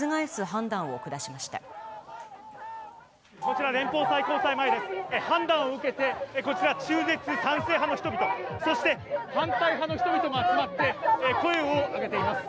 判断を受けて、こちら、中絶賛成派の人々、そして反対派の人々が集まって、声を上げています。